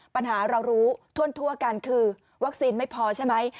ปัญหาเรารู้ทั่วกันคือวัคซีนไม่พอใช่ไหม